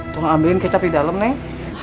tolong ambilin kecap di dalem neng